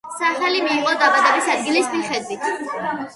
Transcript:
სახელი მიიღო დაბადების ადგილის მიხედვით.